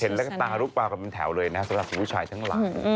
เห็นแล้วก็ตารูปว่ากันเป็นแถวเลยนะครับสำหรับผู้ชายทั้งหลัง